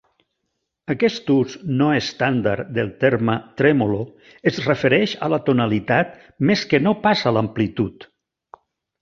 Aquest ús no estàndard del terme "tremolo" es refereix a la tonalitat més que no pas a l'amplitud.